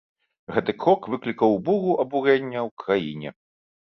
Гэты крок выклікаў буру абурэння ў краіне.